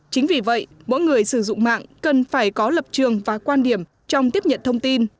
chính vì vậy mỗi người sử dụng mạng cần phải có lập trường và quan điểm trong tiếp nhận thông tin